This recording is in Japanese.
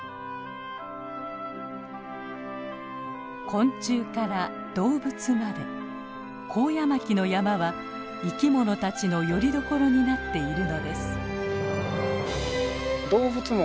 昆虫から動物までコウヤマキの山は生き物たちのよりどころになっているのです。